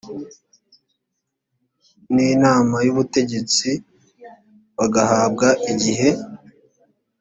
n inama y ubutegetsi bagahabwa igihe